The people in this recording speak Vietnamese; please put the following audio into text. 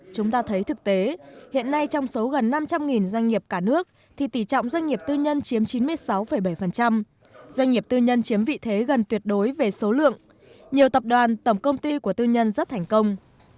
chúng ta thấy thực tế hiện nay trong số gần năm trăm linh doanh nghiệp cả nước thì tỷ trọng doanh nghiệp tư nhân chiếm chín mươi sáu bảy doanh nghiệp tư nhân chiếm vị thế gần tuyệt đối về số lượng nhiều tập đoàn tổng công ty của tư nhân rất thành công